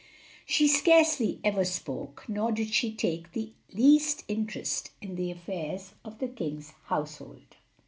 She scarcely ever spoke, nor did she take the least interest in the affairs of the king's household.